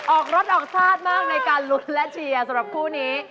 ออกรถออกชาติมากในการลุ้นและเชียร์สำหรับคู่นี้